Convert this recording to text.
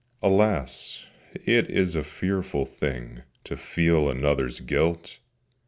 Alas! it is a fearful thing To feel another's guilt!